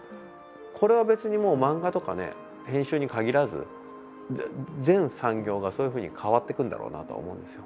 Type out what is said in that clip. これは別にもう漫画とかね編集に限らず全産業がそういうふうに変わってくんだろうなとは思うんですよ。